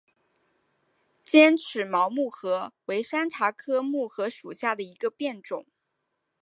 尖齿毛木荷为山茶科木荷属下的一个变种。